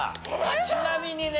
ちなみにね